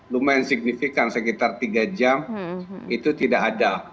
lumayan signifikan sekitar tiga jam itu tidak ada